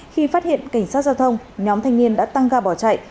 khi phát hiện cảnh sát giao thông nhóm thanh niên đã tăng ga bỏ chạy